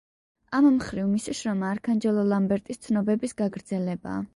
ამ მხრივ მისი შრომა არქანჯელო ლამბერტის ცნობების გაგრძელებაა.